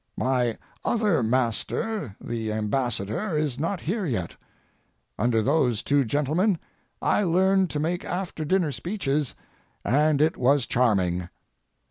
My other master the Ambassador is not here yet. Under those two gentlemen I learned to make after dinner speeches, and it was charming.